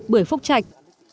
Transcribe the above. bởi phúc trạch